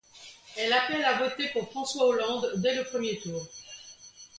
Elle appelle à voter pour François Hollande dès le premier tour.